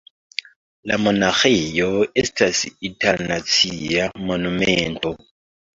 La monaĥejo estas itala nacia monumento.